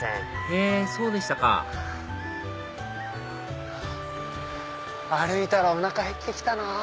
へぇそうでしたか歩いたらおなかへって来たなぁ。